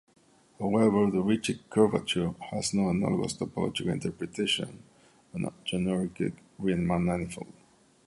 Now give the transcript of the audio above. However, the Ricci curvature has no analogous topological interpretation on a generic Riemannian manifold.